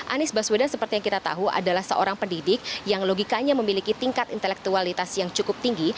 anies baswedan seperti yang kita tahu adalah seorang pendidik yang logikanya memiliki tingkat intelektualitas yang cukup tinggi